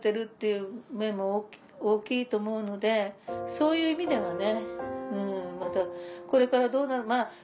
そういう意味ではね。